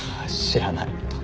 知らない。